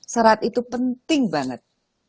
serat itu penting banget